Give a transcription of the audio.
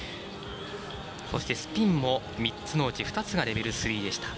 そして、スピンも３つのうち２つがレベル３。